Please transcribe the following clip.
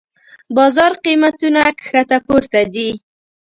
بازار قېمتونه کښته پورته ځي.